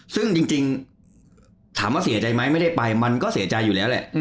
ซึ่งจริงถามว่าเสียใจไหมไม่ได้ไปมันก็เสียใจอยู่แล้วแหละ